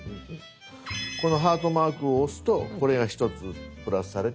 このハートマークを押すとこれが１つプラスされて。